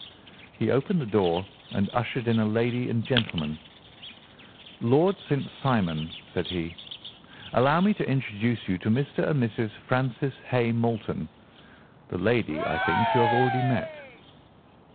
He opened the door and ushered in a lady and gentleman. "Lord St. Simon," said he "allow me to introduce you to Mr. and Mrs. Francis Hay Moulton. The lady, I think, you have already met."